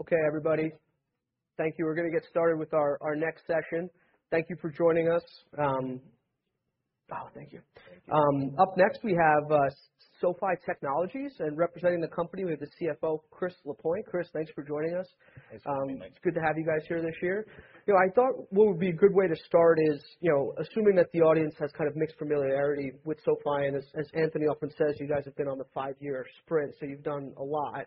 Okay, everybody. Thank you. We're gonna get started with our next session. Thank you for joining us. Thank you. Up next, we have SoFi Technologies. Representing the company, we have the CFO, Chris Lapointe. Chris, thanks for joining us. It's good to have you guys here this year. You know, I thought what would be a good way to start is, you know, assuming that the audience has kind of mixed familiarity with SoFi, and as Anthony often says, you guys have been on the five-year sprint, so you've done a lot.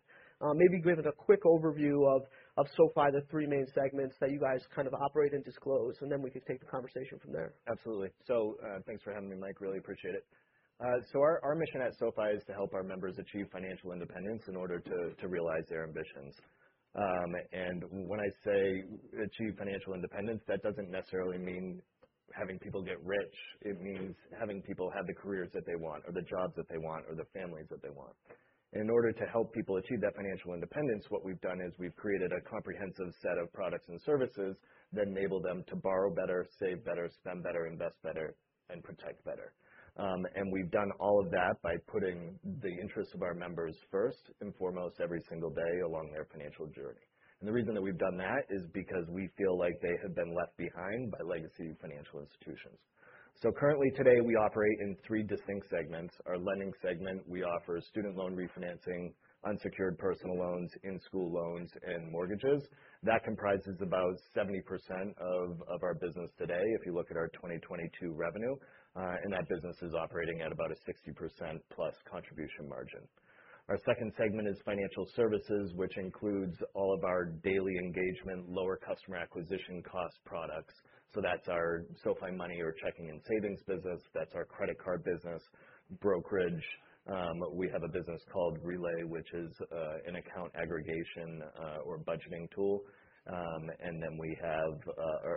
Maybe give it a quick overview of SoFi, the three main segments that you guys kind of operate and disclose, and then we can take the conversation from there. Absolutely. Thanks for having me, Mike. Really appreciate it. Our mission at SoFi is to help our members achieve financial independence in order to realize their ambitions. When I say achieve financial independence, that doesn't necessarily mean having people get rich. It means having people have the careers that they want or the jobs that they want or the families that they want. In order to help people achieve that financial independence, what we've done is we've created a comprehensive set of products and services that enable them to borrow better, save better, spend better, invest better, and protect better. We've done all of that by putting the interests of our members first and foremost every single day along their financial journey. The reason that we've done that is because we feel like they have been left behind by legacy financial institutions. Currently today, we operate in three distinct segments. Our lending segment, we offer student loan refinancing, unsecured personal loans, in-school loans, and mortgages. That comprises about 70% of our business today if you look at our 2022 revenue. That business is operating at about a 60%+ contribution margin. Our second segment is Financial Services, which includes all of our daily engagement, lower customer acquisition cost products. That's our SoFi Money or checking and savings business. That's our credit card business, brokerage. We have a business called Relay, which is an account aggregation or budgeting tool. We have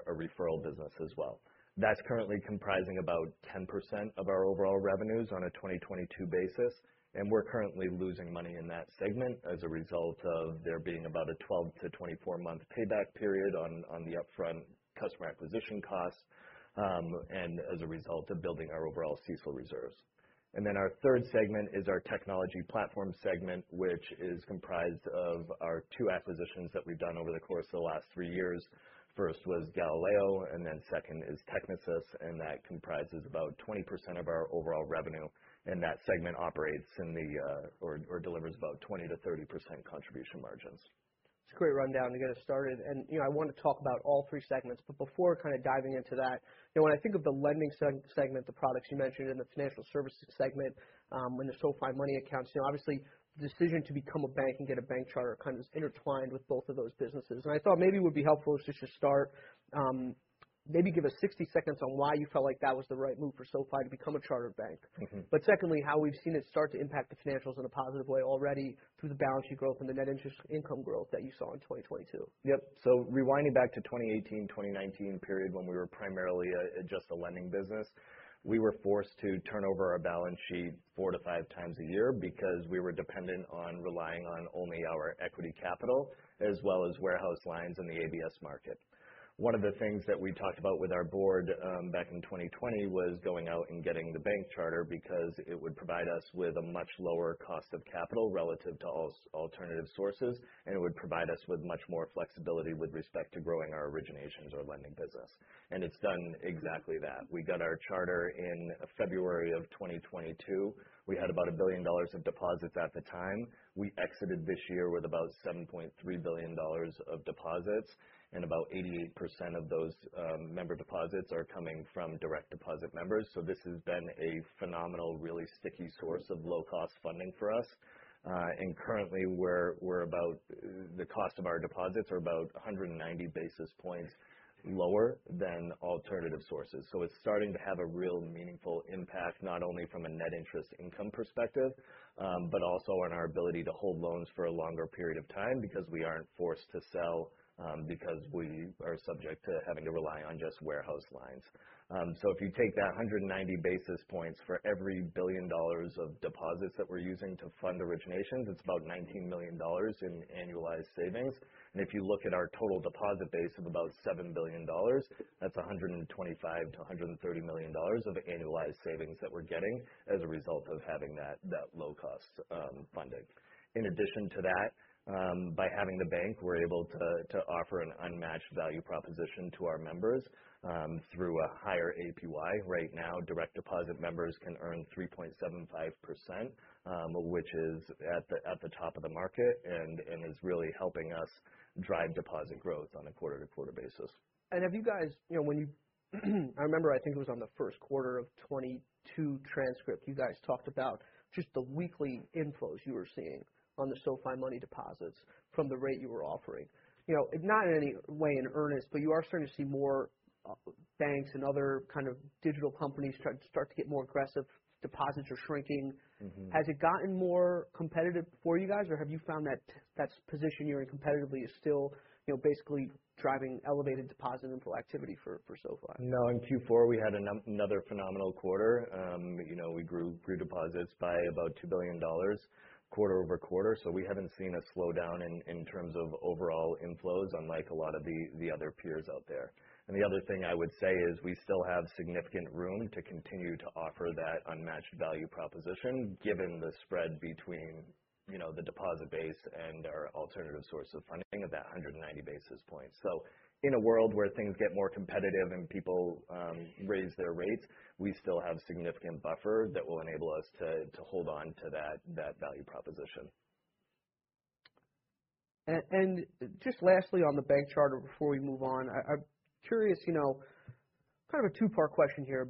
a referral business as well. That's currently comprising about 10% of our overall revenues on a 2022 basis. We're currently losing money in that segment as a result of there being about a 12-24 month payback period on the upfront customer acquisition costs, and as a result of building our overall CECL reserves. Our third segment is our Technology Platform segment, which is comprised of our two acquisitions that we've done over the course of the last three years. First was Galileo, second is Technisys, that comprises about 20% of our overall revenue. That segment operates in the or delivers about 20%-30% contribution margins. It's a great rundown to get us started. You know, I want to talk about all three segments, but before kinda diving into that, you know, when I think of the lending segment, the products you mentioned in the Financial Services segment, and the SoFi Money accounts, you know, obviously, the decision to become a bank and get a bank charter kind of is intertwined with both of those businesses. I thought maybe it would be helpful just to start, maybe give us 60 seconds on why you felt like that was the right move for SoFi to become a chartered bank but secondly, how we've seen it start to impact the financials in a positive way already through the balance sheet growth and the net interest income growth that you saw in 2022. Yep. Rewinding back to 2018, 2019 period, when we were primarily a, just a lending business, we were forced to turn over our balance sheet four to five times a year because we were dependent on relying on only our equity capital as well as warehouse lines in the ABS market. One of the things that we talked about with our board, back in 2020 was going out and getting the bank charter because it would provide us with a much lower cost of capital relative to alternative sources, and it would provide us with much more flexibility with respect to growing our originations or lending business. It's done exactly that. We got our charter in February of 2022. We had about $1 billion of deposits at the time. We exited this year with about $7.3 billion of deposits, and about 88% of those, member deposits are coming from direct deposit members. This has been a phenomenal, really sticky source of low-cost funding for us. Currently the cost of our deposits are about 190 basis points lower than alternative sources. It's starting to have a real meaningful impact, not only from a net interest income perspective, but also on our ability to hold loans for a longer period of time because we aren't forced to sell, because we are subject to having to rely on just warehouse lines. If you take that 190 basis points for every $1 billion of deposits that we're using to fund originations, it's about $19 million in annualized savings. If you look at our total deposit base of about $7 billion, that's $125 million-$130 million of annualized savings that we're getting as a result of having that low-cost funding. In addition to that, by having the bank, we're able to offer an unmatched value proposition to our members through a higher APY. Right now, direct deposit members can earn 3.75%, which is at the top of the market and is really helping us drive deposit growth on a quarter-to-quarter basis. You know, when I remember, I think it was on the first quarter of 2022 transcript, you guys talked about just the weekly inflows you were seeing on the SoFi Money deposits from the rate you were offering. You know, not in any way in earnest, but you are starting to see more banks and other kind of digital companies try to start to get more aggressive. Deposits are shrinking. Has it gotten more competitive for you guys, or have you found that that position you're in competitively is still, you know, basically driving elevated deposit inflow activity for SoFi? No. In Q4, we had another phenomenal quarter. you know, we grew deposits by about $2 billion quarter-over-quarter. We haven't seen a slowdown in terms of overall inflows, unlike a lot of the other peers out there. The other thing I would say is we still have significant room to continue to offer that unmatched value proposition, given the spread between, you know, the deposit base and our alternative source of funding of that 190 basis points. In a world where things get more competitive and people raise their rates, we still have significant buffer that will enable us to hold on to that value proposition. Just lastly on the bank charter before we move on. I'm curious, you know, kind of a two-part question here,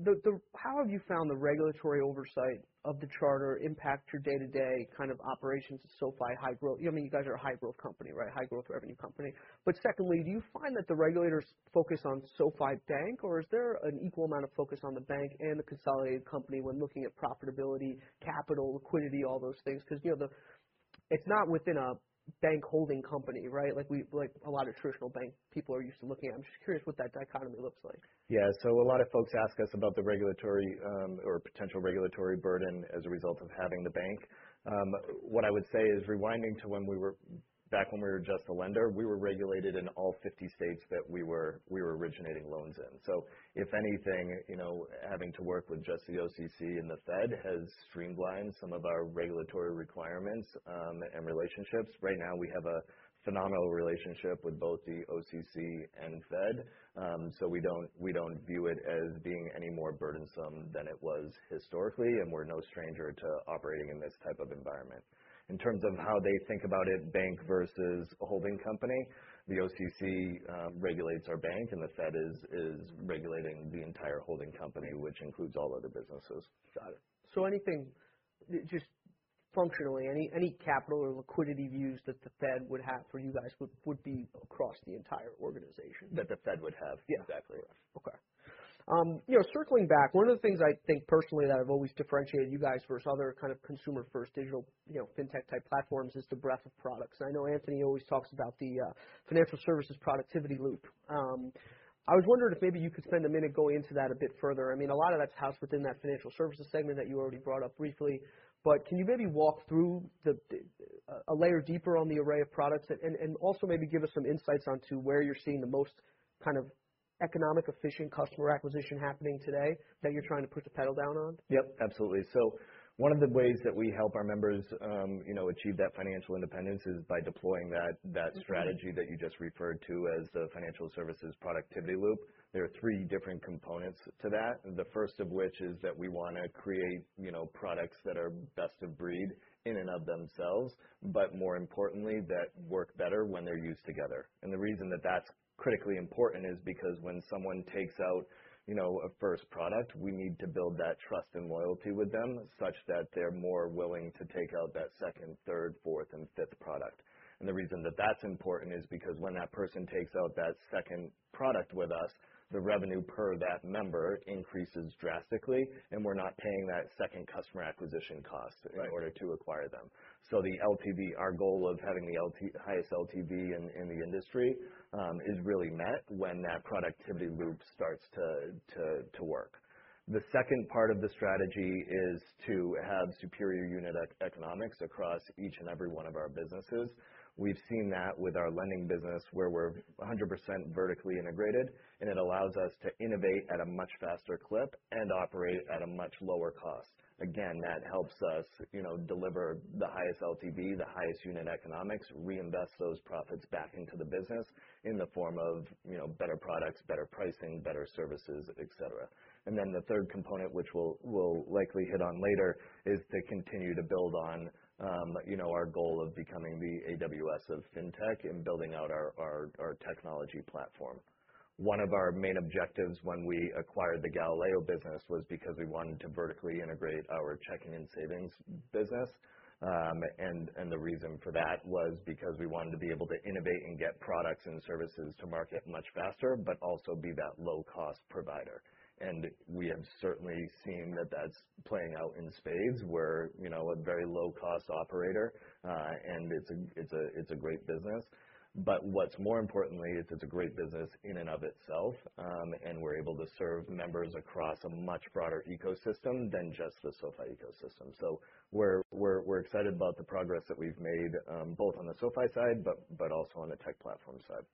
but the how have you found the regulatory oversight of the charter impact your day-to-day kind of operations at SoFi high growth? You know, I mean, you guys are a high growth company, right? High growth revenue company. Secondly, do you find that the regulators focus on SoFi Bank, or is there an equal amount of focus on the bank and the consolidated company when looking at profitability, capital, liquidity, all those things? Because, you know, it's not within a bank holding company, right? Like a lot of traditional bank people are used to looking at. I'm just curious what that dichotomy looks like. Yeah. A lot of folks ask us about the regulatory or potential regulatory burden as a result of having the bank. What I would say is rewinding to when we were back when we were just a lender, we were regulated in all 50 states that we were originating loans in. If anything, you know, having to work with just the OCC and the Fed has streamlined some of our regulatory requirements and relationships. Right now, we have a phenomenal relationship with both the OCC and Fed. We don't view it as being any more burdensome than it was historically, and we're no stranger to operating in this type of environment. In terms of how they think about it, bank versus a holding company, the OCC regulates our bank. The Fed is regulating the entire holding company, which includes all other businesses. Got it. Anything, just functionally, any capital or liquidity views that the Fed would have for you guys would be across the entire organization. That the Fed would have. Yeah. Exactly. Okay. You know, circling back, one of the things I think personally that I've always differentiated you guys versus other kind of consumer first digital, you know, fintech type platforms is the breadth of products. I know Anthony always talks about the Financial Services Productivity Loop. I was wondering if maybe you could spend a minute going into that a bit further. I mean, a lot of that's housed within that Financial Services segment that you already brought up briefly. Can you maybe walk through a layer deeper on the array of products and also maybe give us some insights onto where you're seeing the most kind of economic efficient customer acquisition happening today that you're trying to put the pedal down on? Yep, absolutely. One of the ways that we help our members, you know, achieve that financial independence is by deploying that strategy that you just referred to as a Financial Services productivity loop. There are three different components to that. The first of which is that we wanna create, you know, products that are best of breed in and of themselves, but more importantly, that work better when they're used together. The reason that that's critically important is because when someone takes out, you know, a first product, we need to build that trust and loyalty with them such that they're more willing to take out that second, third, fourth, and fifth product. The reason that that's important is because when that person takes out that second product with us, the revenue per that member increases drastically, and we're not paying that second customer acquisition cost in order to acquire them. The LTV, our goal of having the highest LTV in the industry, is really met when that productivity loop starts to work. The second part of the strategy is to have superior unit economics across each and every one of our businesses. We've seen that with our lending business, where we're 100% vertically integrated, and it allows us to innovate at a much faster clip and operate at a much lower cost. Again, that helps us, you know, deliver the highest LTV, the highest unit economics, reinvest those profits back into the business in the form of, you know, better products, better pricing, better services, et cetera. The third component, which we'll likely hit on later, is to continue to build on our goal of becoming the AWS of fintech and building out our Technology Platform. One of our main objectives when we acquired the Galileo business was because we wanted to vertically integrate our checking and savings business. The reason for that was because we wanted to be able to innovate and get products and services to market much faster, but also be that low-cost provider. We have certainly seen that that's playing out in spades. We're, you know, a very low-cost operator, and it's a great business. What's more importantly is it's a great business in and of itself, and we're able to serve members across a much broader ecosystem than just the SoFi ecosystem. We're excited about the progress that we've made, both on the SoFi side, but also on the Tech Platform side.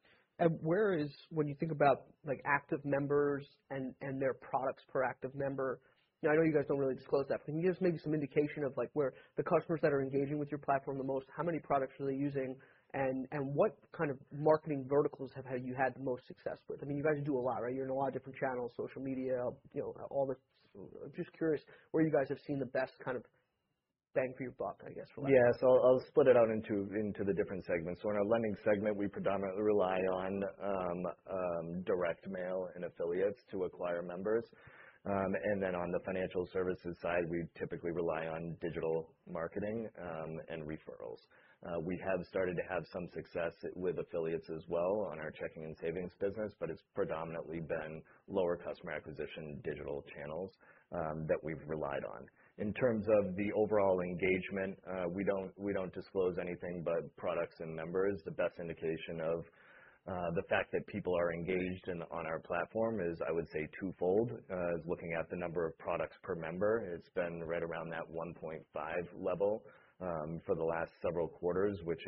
When you think about like active members and their products per active member. I know you guys don't really disclose that, but can you give us maybe some indication of like where the customers that are engaging with your platform the most, how many products are they using and what kind of marketing verticals have you had the most success with? You guys do a lot, right? You're in a lot of different channels, social media, you know, all the. I'm just curious where you guys have seen the best kind of bang for your buck, I guess. Yeah. I'll split it out into the different segments. In our Lending segment, we predominantly rely on direct mail and affiliates to acquire members. On the Financial Services side, we typically rely on digital marketing and referrals. We have started to have some success with affiliates as well on our checking and savings business, but it's predominantly been lower customer acquisition digital channels that we've relied on. In terms of the overall engagement, we don't disclose anything but products and members. The best indication of the fact that people are engaged in on our platform is, I would say, twofold. Is looking at the number of products per member. It's been right around that 1.5 level, for the last several quarters, which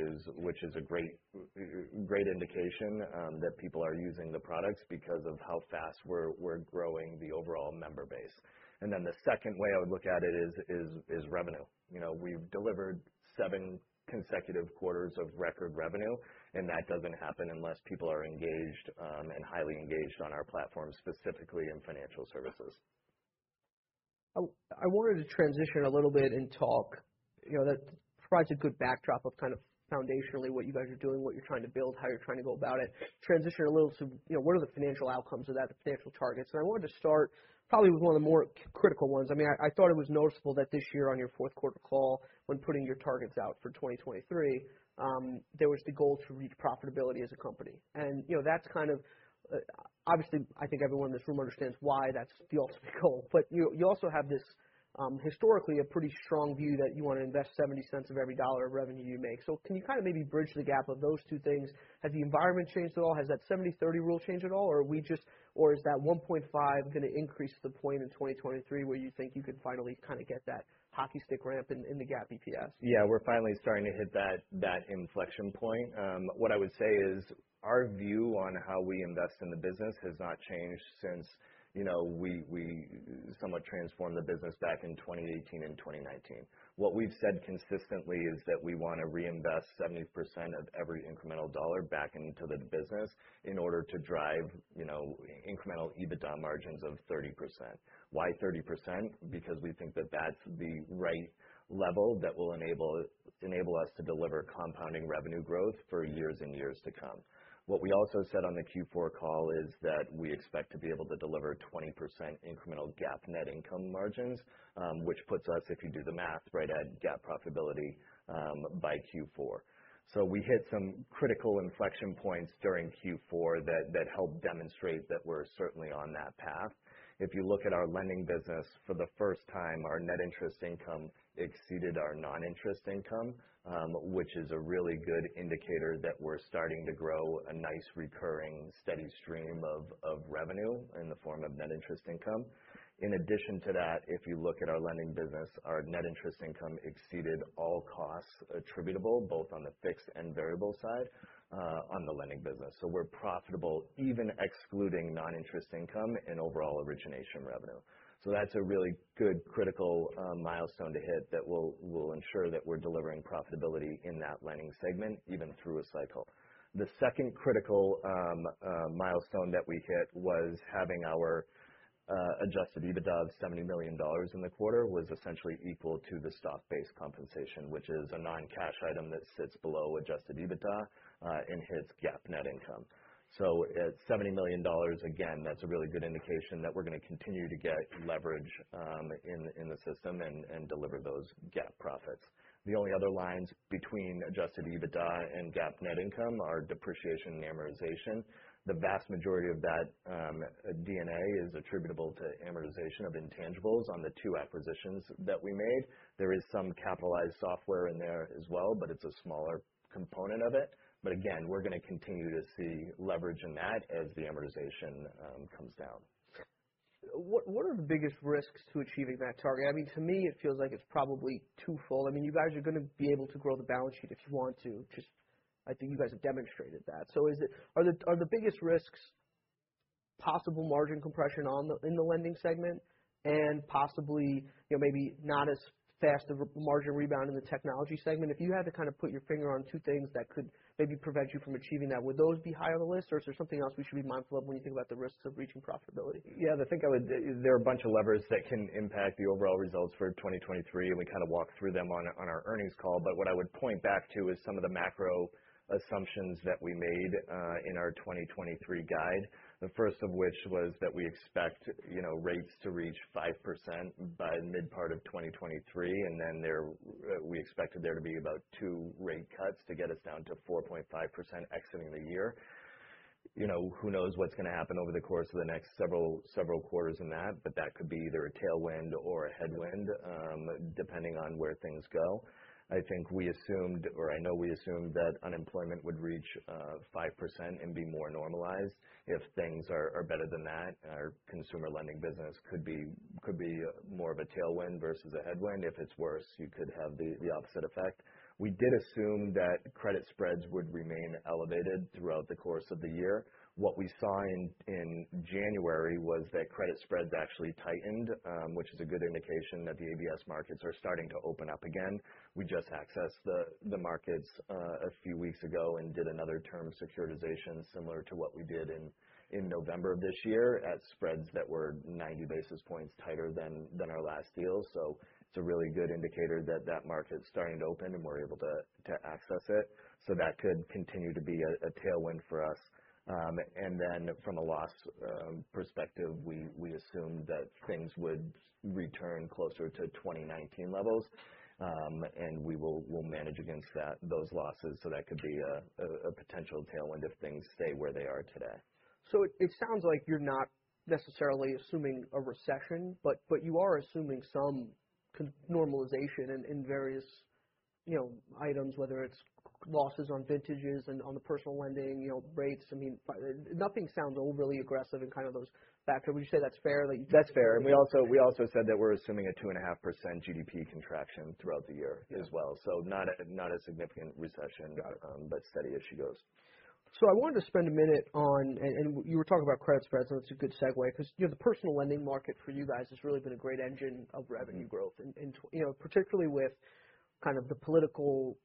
is a great indication, that people are using the products because of how fast we're growing the overall member base. The second way I would look at it is revenue. You know, we've delivered seven consecutive quarters of record revenue. That doesn't happen unless people are engaged, and highly engaged on our platform, specifically in Financial Services. I wanted to transition a little bit and talk, you know, that provides a good backdrop of kind of foundationally what you guys are doing, what you're trying to build, how you're trying to go about it. Transition a little to, you know, what are the financial outcomes of that, the financial targets? I wanted to start probably with one of the more critical ones. I mean, I thought it was noticeable that this year on your fourth quarter call when putting your targets out for 2023, there was the goal to reach profitability as a company. You know, that's kind of, obviously, I think everyone in this room understands why that's the ultimate goal. You, you also have this, historically a pretty strong view that you wanna invest $0.70 of every $1 of revenue you make. Can you kind of maybe bridge the gap of those two things? Has the environment changed at all? Has that 70/30 rule changed at all, or is that 1.5 gonna increase to the point in 2023 where you think you can finally kind of get that hockey stick ramp in the GAAP EPS? Yeah, we're finally starting to hit that inflection point. What I would say is our view on how we invest in the business has not changed since, you know, we somewhat transformed the business back in 2018 and 2019. What we've said consistently is that we wanna reinvest 70% of every incremental dollar back into the business in order to drive, you know, incremental EBITDA margins of 30%. Why 30%? Because we think that that's the right level that will enable us to deliver compounding revenue growth for years and years to come. What we also said on the Q4 call is that we expect to be able to deliver 20% incremental GAAP net income margins, which puts us, if you do the math, right at GAAP profitability, by Q4. We hit some critical inflection points during Q4 that help demonstrate that we're certainly on that path. If you look at our lending business, for the first time, our net interest income exceeded our non-interest income, which is a really good indicator that we're starting to grow a nice recurring steady stream of revenue in the form of net interest income. In addition to that, if you look at our lending business, our net interest income exceeded all costs attributable both on the fixed and variable side on the lending business. We're profitable even excluding non-interest income and overall origination revenue. That's a really good critical milestone to hit that will ensure that we're delivering profitability in that lending segment even through a cycle. The second critical milestone that we hit was having our adjusted EBITDA of $70 million in the quarter was essentially equal to the stock-based compensation, which is a non-cash item that sits below adjusted EBITDA and hits GAAP net income. At $70 million, again, that's a really good indication that we're gonna continue to get leverage in the system and deliver those GAAP profits. The only other lines between adjusted EBITDA and GAAP net income are depreciation and amortization. The vast majority of that D&A is attributable to amortization of intangibles on the two acquisitions that we made. There is some capitalized software in there as well, but it's a smaller component of it. Again, we're gonna continue to see leverage in that as the amortization comes down. What are the biggest risks to achieving that target? I mean, to me, it feels like it's probably twofold. I mean, you guys are gonna be able to grow the balance sheet if you want to, just I think you guys have demonstrated that. Are the biggest risks possible margin compression in the lending segment and possibly, you know, maybe not as fast a margin rebound in the Technology segment? If you had to kind of put your finger on two things that could maybe prevent you from achieving that, would those be high on the list, or is there something else we should be mindful of when you think about the risks of reaching profitability? Yeah. There are a bunch of levers that can impact the overall results for 2023, and we kind of walked through them on our earnings call. What I would point back to is some of the macro assumptions that we made in our 2023 guide. The first of which was that we expect, you know, rates to reach 5% by the mid part of 2023, then we expected there to be about two rate cuts to get us down to 4.5% exiting the year. You know, who knows what's gonna happen over the course of the next several quarters in that. That could be either a tailwind or a headwind, depending on where things go. I think we assumed, or I know we assumed that unemployment would reach 5% and be more normalized. If things are better than that, our consumer lending business could be more of a tailwind versus a headwind. If it's worse, you could have the opposite effect. We did assume that credit spreads would remain elevated throughout the course of the year. What we saw in January was that credit spreads actually tightened, which is a good indication that the ABS markets are starting to open up again. We just accessed the markets a few weeks ago and did another term securitization similar to what we did in November of this year at spreads that were 90 basis points tighter than our last deal. It's a really good indicator that that market's starting to open, and we're able to access it. That could continue to be a tailwind for us. Then from a loss, perspective, we assumed that things would return closer to 2019 levels. We'll manage against that, those losses, that could be a potential tailwind if things stay where they are today. It sounds like you're not necessarily assuming a recession, but you are assuming some normalization in various, you know, items, whether it's losses on vintages and on the personal lending, you know, rates. I mean, nothing sounds overly aggressive in kind of those factors. Would you say that's fair? That's fair. We also said that we're assuming a 2.5% GDP contraction throughout the year as well. Not a significant recession but steady as she goes. I wanted to spend a minute on, and you were talking about credit spreads, and that's a good segue because, you know, the personal lending market for you guys has really been a great engine of revenue growth. You know, particularly with kind of the political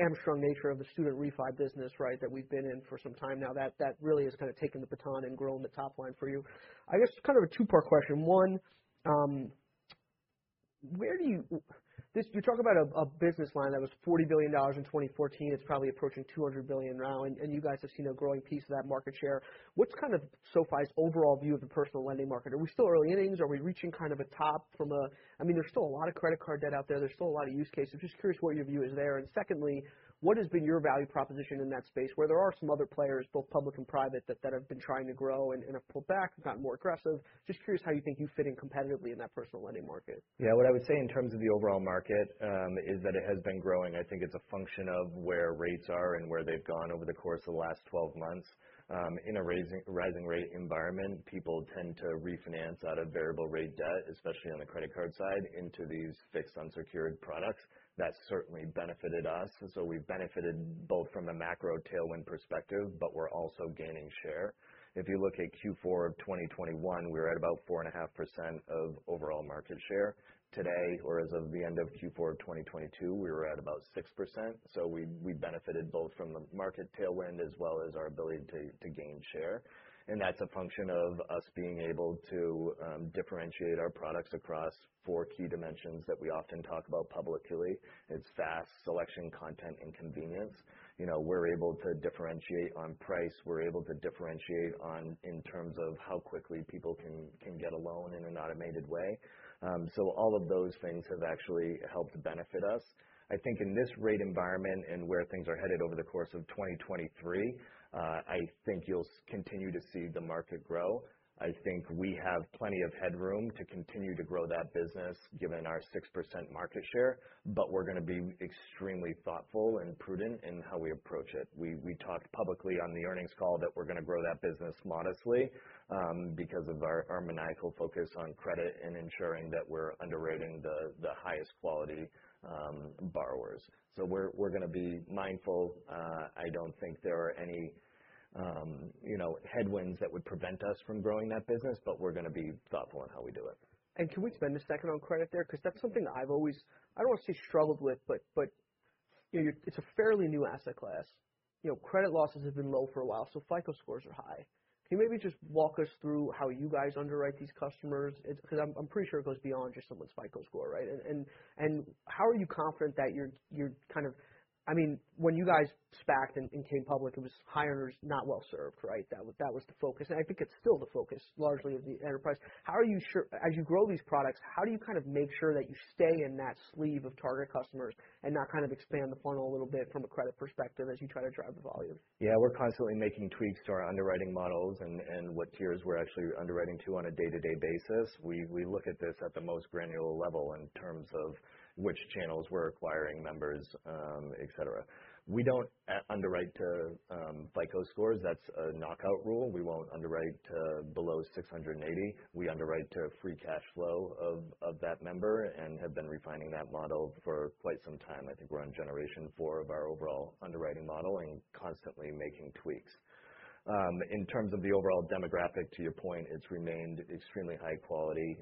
arm strong nature of the student refi business, right? That we've been in for some time now, that really has kind of taken the baton and grown the top line for you. I guess kind of a two-part question. One, you talk about a business line that was $40 billion in 2014. It's probably approaching $200 billion now, and you guys have seen a growing piece of that market share. What's kind of SoFi's overall view of the personal lending market? Are we still early innings? Are we reaching kind of a top from a. I mean, there's still a lot of credit card debt out there. There's still a lot of use cases. I'm just curious what your view is there? Secondly, what has been your value proposition in that space where there are some other players, both public and private, that have been trying to grow and have pulled back and gotten more aggressive. Just curious how you think you fit in competitively in that personal lending market? Yeah. What I would say in terms of the overall market, is that it has been growing. I think it's a function of where rates are and where they've gone over the course of the last 12 months. In a rising rate environment, people tend to refinance out of variable rate debt, especially on the credit card side, into these fixed unsecured products. That certainly benefited us. We've benefited both from a macro tailwind perspective, but we're also gaining share. If you look at Q4 of 2021, we were at about 4.5% of overall market share. Today or as of the end of Q4 of 2022, we were at about 6%. We benefited both from the market tailwind as well as our ability to gain share. That's a function of us being able to differentiate our products across four key dimensions that we often talk about publicly. It's fast selection, content and convenience. You know, we're able to differentiate on price. We're able to differentiate in terms of how quickly people can get a loan in an automated way. All of those things have actually helped benefit us. I think in this rate environment and where things are headed over the course of 2023, I think you'll continue to see the market grow. I think we have plenty of headroom to continue to grow that business given our 6% market share, we're gonna be extremely thoughtful and prudent in how we approach it. We talked publicly on the earnings call that we're gonna grow that business modestly, because of our maniacal focus on credit and ensuring that we're underwriting the highest quality borrowers. We're gonna be mindful. I don't think there are any, you know, headwinds that would prevent us from growing that business, but we're gonna be thoughtful in how we do it. Can we spend a second on credit there? 'Cause that's something I've always, I don't wanna say struggled with, but, you know, it's a fairly new asset class. You know, credit losses have been low for a while, so FICO scores are high. Can you maybe just walk us through how you guys underwrite these customers? Because I'm pretty sure it goes beyond just someone's FICO score, right? And how are you confident that you're kind of, I mean, when you guys SPAC'd and came public, it was higher earners not well-served, right? That was the focus. I think it's still the focus largely of the enterprise. As you grow these products, how do you kind of make sure that you stay in that sleeve of target customers and not kind of expand the funnel a little bit from a credit perspective as you try to drive the volume? Yeah. We're constantly making tweaks to our underwriting models and what tiers we're actually underwriting to on a day-to-day basis. We look at this at the most granular level in terms of which channels we're acquiring members, et cetera. We don't underwrite to FICO scores. That's a knockout rule. We won't underwrite to below 680. We underwrite to free cash flow of that member and have been refining that model for quite some time. I think we're on generation four of our overall underwriting model and constantly making tweaks. In terms of the overall demographic, to your point, it's remained extremely high quality.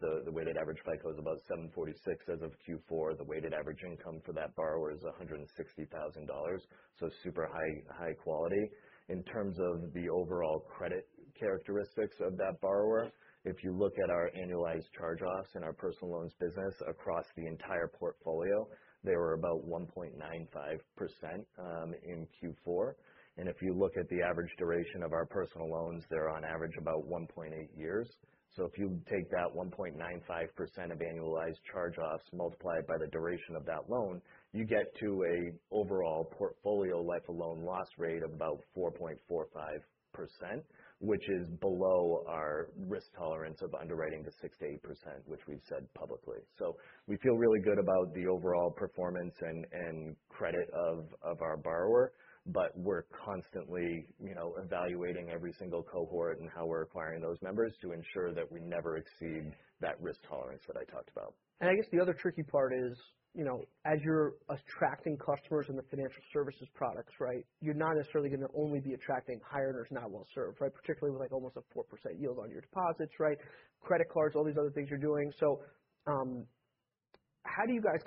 The weighted average FICO is about 746 as of Q4. The weighted average income for that borrower is $160,000, super high quality. In terms of the overall credit characteristics of that borrower, if you look at our annualized charge-offs in our personal loans business across the entire portfolio, they were about 1.95% in Q4. If you look at the average duration of our personal loans, they're on average about 1.8 years. If you take that 1.95% of annualized charge-offs, multiply it by the duration of that loan, you get to a overall portfolio life of loan loss rate of about 4.45%, which is below our risk tolerance of underwriting to 6%-8%, which we've said publicly. We feel really good about the overall performance and credit of our borrower, but we're constantly, you know, evaluating every single cohort and how we're acquiring those members to ensure that we never exceed that risk tolerance that I talked about. I guess the other tricky part is, you know, as you're attracting customers in the Financial Services products, right, you're not necessarily gonna only be attracting higher earners not well-served, right? Particularly with like almost a 4% yield on your deposits, right? Credit cards, all these other things you're doing. How do you guys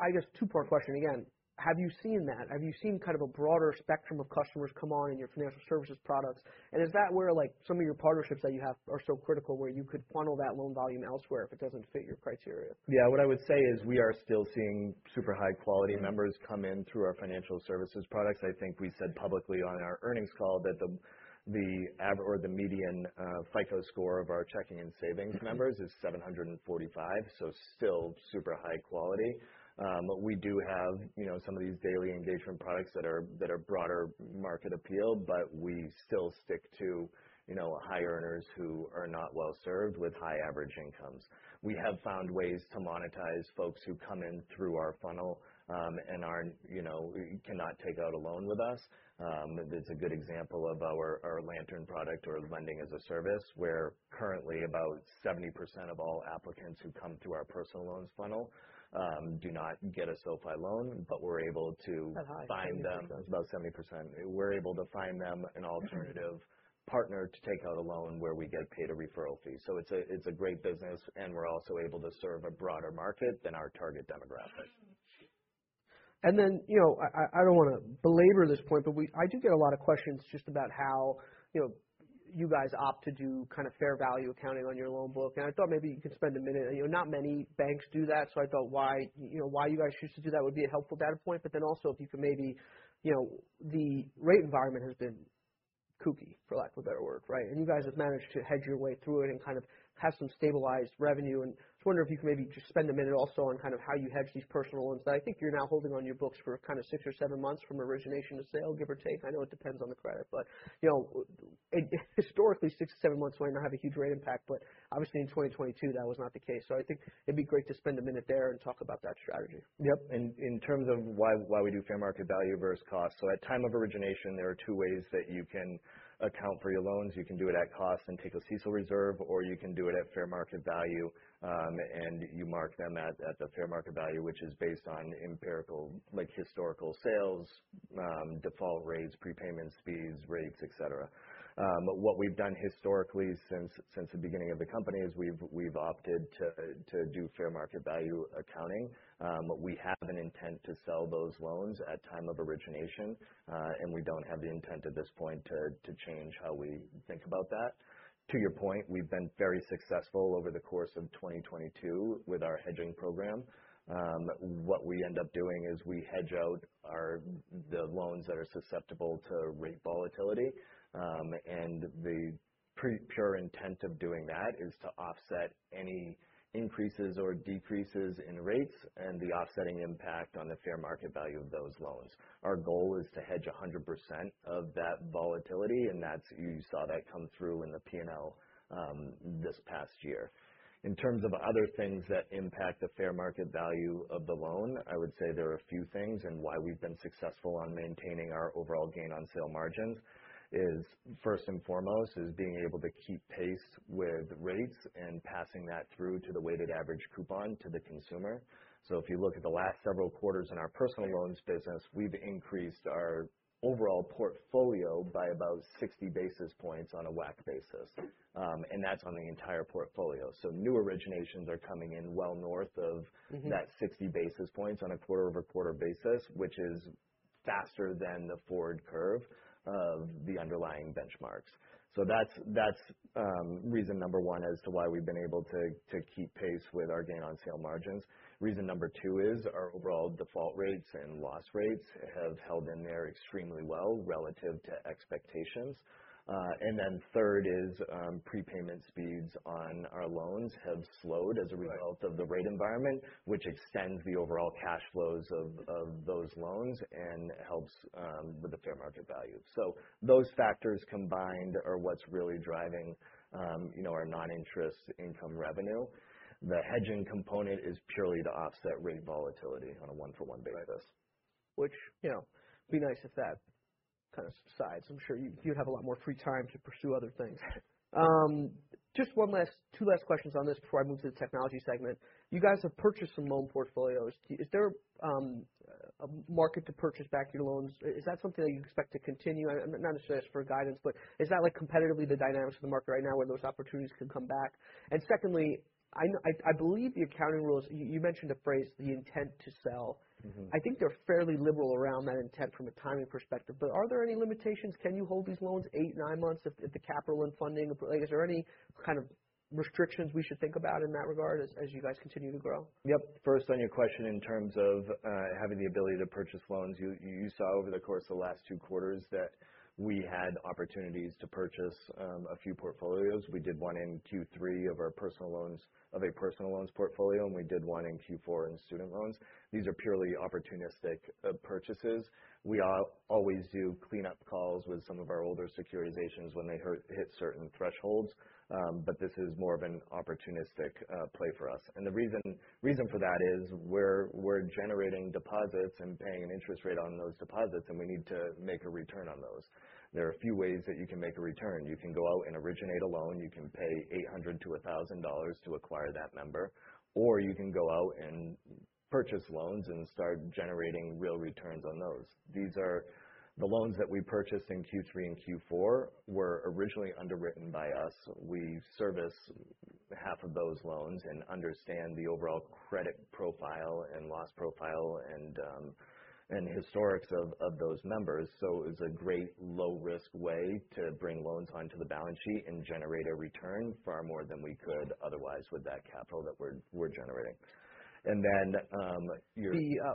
I guess two-part question again, have you seen that? Have you seen kind of a broader spectrum of customers come on in your Financial Services products? Is that where like some of your partnerships that you have are so critical where you could funnel that loan volume elsewhere if it doesn't fit your criteria? Yeah. What I would say is we are still seeing super high quality members come in through our Financial Services products. I think we said publicly on our earnings call that the median FICO score of our checking and savings members is 745, still super high quality. We do have, you know, some of these daily engagement products that are broader market appeal, but we still stick to, you know, high earners who are not well-served with high average incomes. We have found ways to monetize folks who come in through our funnel and aren't, you know, cannot take out a loan with us. It's a good example of our Lantern product or Lending-as-a-Service, where currently about 70% of all applicants who come through our personal loans funnel, do not get a SoFi loan, but we're able to find them about 70%. We're able to find them an alternative partner to take out a loan where we get paid a referral fee. It's a great business and we're also able to serve a broader market than our target demographic. You know, I don't wanna belabor this point, but I do get a lot of questions just about how, you know, you guys opt to do kind of fair value accounting on your loan book. I thought maybe you could spend a minute. You know, not many banks do that, so I thought why, you know, why you guys choose to do that would be a helpful data point. Also if you could maybe, you know, the rate environment has been kooky, for lack of a better word, right? You guys have managed to hedge your way through it and kind of have some stabilized revenue. I just wonder if you could maybe just spend a minute also on kind of how you hedge these personal loans that I think you're now holding on your books for kind of six or seven months from origination to sale, give or take. I know it depends on the credit, but, you know, historically, six to seven months might not have a huge rate impact, but obviously in 2022, that was not the case. I think it'd be great to spend a minute there and talk about that strategy. Yep. In, in terms of why we do fair market value versus cost. At time of origination, there are two ways that you can account for your loans. You can do it at cost and take a CECL reserve, or you can do it at fair market value, and you mark them at the fair market value, which is based on empirical, like historical sales, default rates, prepayments speeds, rates, et cetera. What we've done historically since the beginning of the company is we've opted to do fair market value accounting. We have an intent to sell those loans at time of origination, and we don't have the intent at this point to change how we think about that. To your point, we've been very successful over the course of 2022 with our hedging program. What we end up doing is we hedge out the loans that are susceptible to rate volatility. The pure intent of doing that is to offset any increases or decreases in rates and the offsetting impact on the fair market value of those loans. Our goal is to hedge 100% of that volatility, you saw that come through in the P&L this past year. In terms of other things that impact the fair market value of the loan, I would say there are a few things, and why we've been successful on maintaining our overall gain on sale margins is, first and foremost, is being able to keep pace with rates and passing that through to the weighted average coupon to the consumer. If you look at the last several quarters in our personal loans business, we've increased our overall portfolio by about 60 basis points on a WAC basis, and that's on the entire portfolio. New originations are coming in well north. That 60 basis points on a quarter-over-quarter basis, which is faster than the forward curve of the underlying benchmarks. That's reason number one as to why we've been able to keep pace with our gain on sale margins. Reason number two is our overall default rates and loss rates have held in there extremely well relative to expectations. Third is prepayment speeds on our loans have slowed as a result. Right. of the rate environment, which extends the overall cash flows of those loans and helps with the fair market value. Those factors combined are what's really driving, you know, our non-interest income revenue. The hedging component is purely to offset rate volatility on a one-for-one basis. Right. Which, you know, be nice if that kind of subsides. I'm sure you'd have a lot more free time to pursue other things. Just two last questions on this before I move to the Technology segment. You guys have purchased some loan portfolios. Is there a market to purchase back your loans? Is that something you expect to continue? Not necessarily ask for guidance, but is that like competitively the dynamics of the market right now where those opportunities can come back? Secondly, I believe the accounting rules, you mentioned a phrase, the intent to sell. I think they're fairly liberal around that intent from a timing perspective. Are there any limitations? Can you hold these loans eight, nine months? Like, is there any kind of restrictions we should think about in that regard as you guys continue to grow? Yep. First, on your question in terms of having the ability to purchase loans, you saw over the course of the last two quarters that we had opportunities to purchase a few portfolios. We did one in Q3 of our personal loans portfolio. We did one in Q4 in student loans. These are purely opportunistic purchases. We always do cleanup calls with some of our older securitizations when they hit certain thresholds, this is more of an opportunistic play for us. The reason for that is we're generating deposits and paying an interest rate on those deposits, and we need to make a return on those. There are a few ways that you can make a return. You can go out and originate a loan. You can pay $800-$1,000 to acquire that member. You can go out and purchase loans and start generating real returns on those. These are the loans that we purchased in Q3 and Q4 were originally underwritten by us. We service half of those loans and understand the overall credit profile and loss profile and historics of those members. It was a great low-risk way to bring loans onto the balance sheet and generate a return far more than we could otherwise with that capital that we're generating. The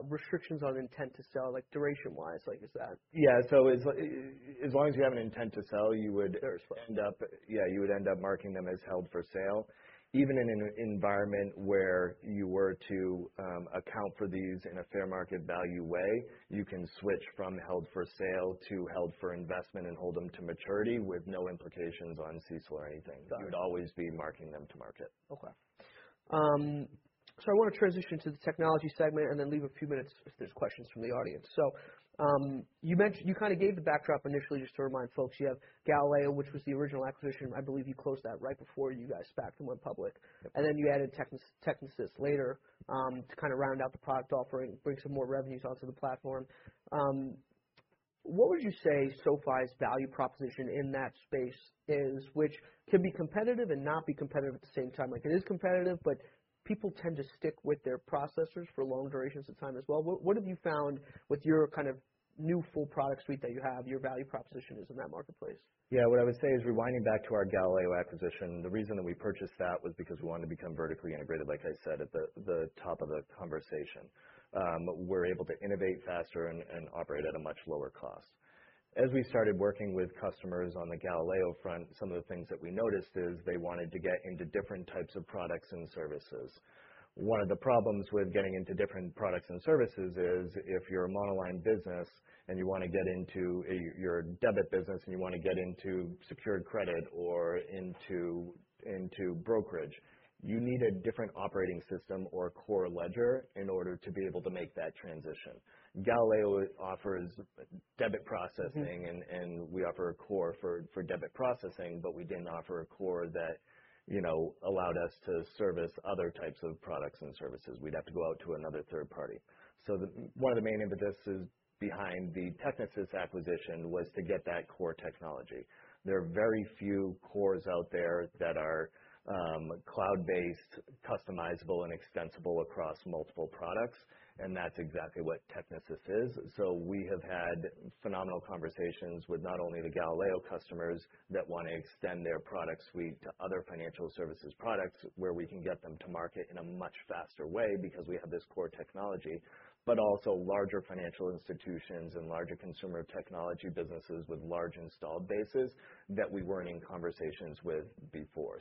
restrictions on intent to sell, like duration-wise, like is that. Yeah. As long as you have an intent to sell. You would end up marking them as held for sale. Even in an environment where you were to account for these in a fair market value way, you can switch from held for sale to held for investment and hold them to maturity with no implications on CECL or anything. Got it. You'd always be marking them to market. Okay. I wanna transition to the Technology segment and then leave a few minutes if there's questions from the audience. You kind of gave the backdrop initially just to remind folks. You have Galileo, which was the original acquisition. I believe you closed that right before you guys backed and went public. Then you added Technisys later to kind of round out the product offering, bring some more revenues onto the platform. What would you say SoFi's value proposition in that space is which can be competitive and not be competitive at the same time? Like it is competitive, but people tend to stick with their processors for long durations of time as well. What have you found with your kind of new full product suite that you have your value proposition is in that marketplace? Yeah. What I would say is rewinding back to our Galileo acquisition, the reason that we purchased that was because we wanted to become vertically integrated, like I said at the top of the conversation. We're able to innovate faster and operate at a much lower cost. We started working with customers on the Galileo front, some of the things that we noticed is they wanted to get into different types of products and services. One of the problems with getting into different products and services is if you're a monoline business and you wanna get into a debit business, and you wanna get into secured credit or into brokerage, you need a different operating system or a core ledger in order to be able to make that transition. Galileo offers debit processing. We offer a core for debit processing, but we didn't offer a core that, you know, allowed us to service other types of products and services. We'd have to go out to another third party. One of the main impetuses behind the Technisys acquisition was to get that core technology. There are very few cores out there that are cloud-based, customizable, and extensible across multiple products, and that's exactly what Technisys is. We have had phenomenal conversations with not only the Galileo customers that wanna extend their product suite to other Financial Services products where we can get them to market in a much faster way because we have this core technology, but also larger financial institutions and larger consumer technology businesses with large installed bases that we weren't in conversations with before.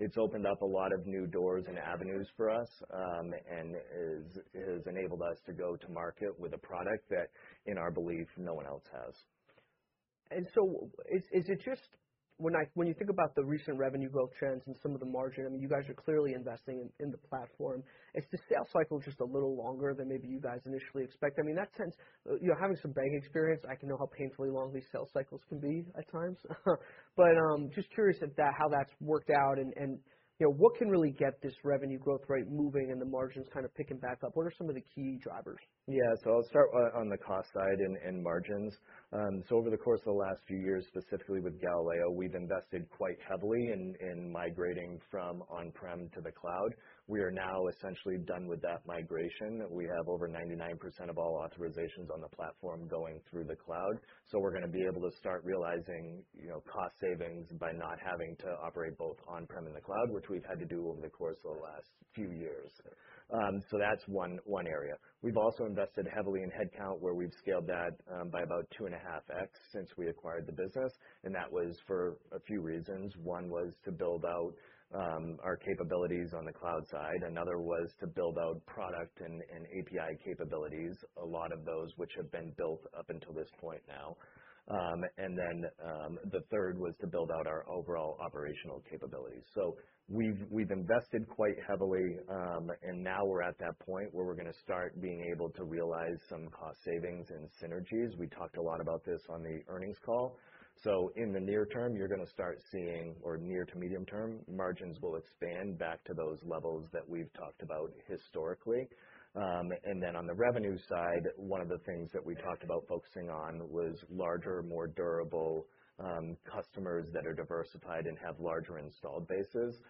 It's opened up a lot of new doors and avenues for us, and it has enabled us to go to market with a product that, in our belief, no one else has. Is it just when you think about the recent revenue growth trends and some of the margin, I mean, you guys are clearly investing in the platform. Is the sales cycle just a little longer than maybe you guys initially expect? I mean, that tends. You know, having some bank experience, I can know how painfully long these sales cycles can be at times. But, just curious if that how that's worked out and, you know, what can really get this revenue growth rate moving and the margins kind of picking back up? What are some of the key drivers? Yeah. I'll start on the cost side and margins. Over the course of the last few years, specifically with Galileo, we've invested quite heavily in migrating from on-prem to the cloud. We are now essentially done with that migration. We have over 99% of all authorizations on the platform going through the cloud. We're going to be able to start realizing, you know, cost savings by not having to operate both on-prem and the cloud, which we've had to do over the course of the last few years. That's one area. We've also invested heavily in headcount, where we've scaled that by about 2.5x since we acquired the business, and that was for a few reasons. One was to build out our capabilities on the cloud side. Another was to build out product and API capabilities, a lot of those which have been built up until this point now. Then, the third was to build out our overall operational capabilities. We've invested quite heavily, now we're at that point where we're gonna start being able to realize some cost savings and synergies. We talked a lot about this on the earnings call. In the near term, you're gonna start seeing, or near to medium term, margins will expand back to those levels that we've talked about historically. Then on the revenue side, one of the things that we talked about focusing on was larger, more durable, customers that are diversified and have larger installed bases,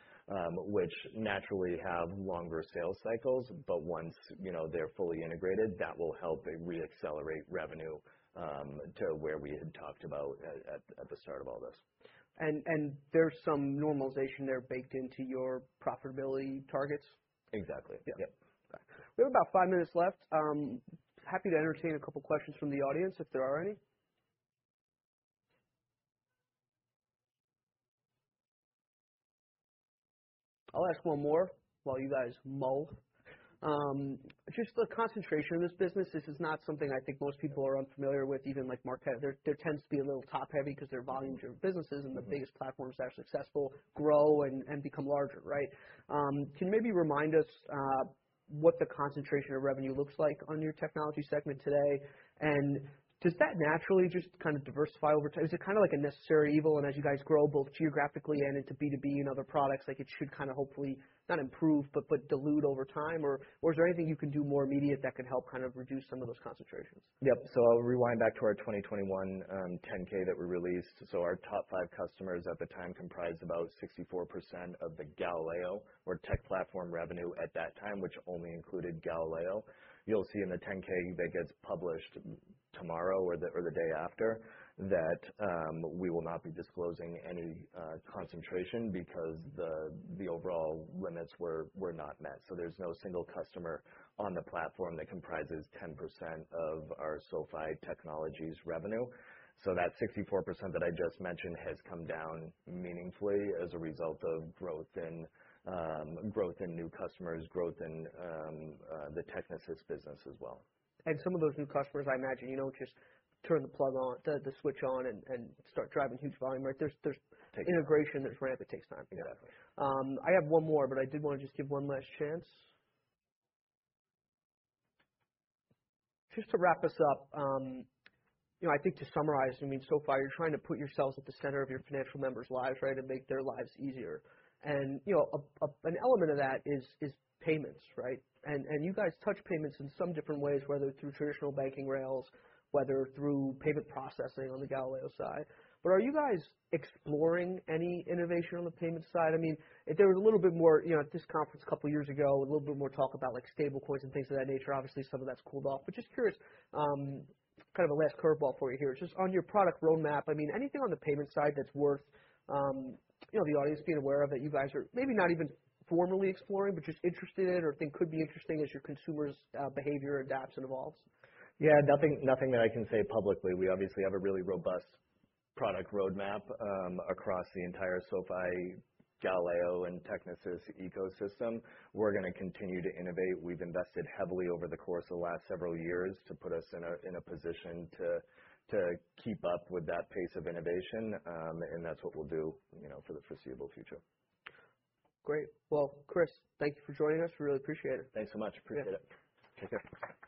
which naturally have longer sales cycles. Once, you know, they're fully integrated, that will help reaccelerate revenue, to where we had talked about at the start of all this. There's some normalization there baked into your profitability targets? Exactly. Yeah. Yep. We have about five minutes left. Happy to entertain a couple questions from the audience if there are any. I'll ask one more while you guys mull. Just the concentration of this business, this is not something I think most people are unfamiliar with, even like Marqeta, there tends to be a little top-heavy 'cause they're volume-driven businesses. The biggest platforms that are successful grow and become larger, right? Can you maybe remind us what the concentration of revenue looks like on your Technology segment today? Does that naturally just kind of diversify over time? Is it kind of like a necessary evil, and as you guys grow both geographically and into B2B and other products, like it should kind of hopefully, not improve, but dilute over time? Or is there anything you can do more immediate that can help kind of reduce some of those concentrations? I'll rewind back to our 2021 10-K that we released. Our top five customers at the time comprised about 64% of the Galileo or Tech Platform revenue at that time, which only included Galileo. You'll see in the 10-K that gets published tomorrow or the day after that, we will not be disclosing any concentration because the overall limits were not met. There's no single customer on the platform that comprises 10% of our SoFi Technologies revenue. That 64% that I just mentioned has come down meaningfully as a result of growth in new customers, growth in the Technisys business as well. Some of those new customers, I imagine, you don't just turn the switch on and start driving huge volume, right? There's integration. There's ramp. It takes time. Exactly. I have one more, but I did wanna just give one last chance. Just to wrap us up, you know, I think to summarize, I mean, SoFi, you're trying to put yourselves at the center of your financial members' lives, right, and make their lives easier. You know, an element of that is payments, right? You guys touch payments in some different ways, whether through traditional banking rails, whether through payment processing on the Galileo side. Are you guys exploring any innovation on the payment side? I mean, there was a little bit more, you know, at this conference a couple years ago, a little bit more talk about like stable coins and things of that nature. Obviously, some of that's cooled off. Just curious, kind of a last curveball for you here. Just on your product roadmap, I mean, anything on the payment side that's worth, you know, the audience being aware of that you guys are maybe not even formally exploring but just interested in or think could be interesting as your consumer's behavior adapts and evolves? Yeah. Nothing that I can say publicly. We obviously have a really robust product roadmap, across the entire SoFi Galileo and Technisys ecosystem. We're gonna continue to innovate. We've invested heavily over the course of the last several years to put us in a, in a position to keep up with that pace of innovation. That's what we'll do, you know, for the foreseeable future. Great. Well, Chris, thank you for joining us. We really appreciate it. Thanks so much. Appreciate it. Yeah. Take care.